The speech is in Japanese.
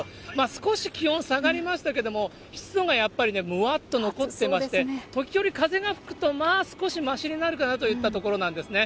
少し気温下がりましたけれども、湿度がやっぱりね、むわっと残ってまして、時折風が吹くと、まあ少しましになるかなといったところですね。